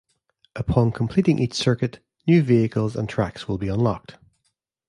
Upon completing each circuit, new vehicles and tracks will be unlocked.